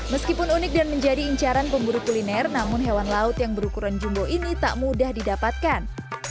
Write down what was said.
meskipun unik dan menjadi incaran pemburu kuliner namun hewan laut yang berukuran jumbo ini tak mudah didapatkan